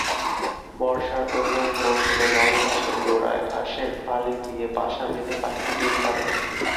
বর্ষার প্রজনন-মৌসুমে নল-ঘাসের গোড়ায় ঘাসের ফালি দিয়ে বাসা বেঁধে পাখিটি ডিম পাড়ে।